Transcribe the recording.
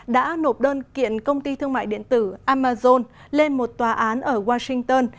đã nộp đơn kiện công ty thương mại điện tử amazon lên một tòa án ở washington